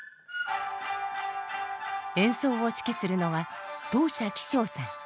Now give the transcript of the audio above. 演奏を指揮するのは藤舎貴生さん。